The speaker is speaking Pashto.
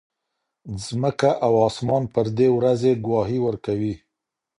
ځمکه او اسمان پر دې ورځې ګواهي ورکوي.